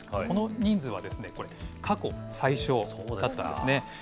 この人数はこれ、過去最少だったんですね。